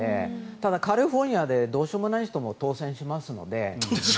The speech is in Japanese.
ただ、カリフォルニアでどうしようもない人も当選しますので。